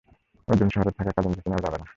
অর্জুন শহরে থাকা কালিন ঝুঁকি নেয়া যাবে না।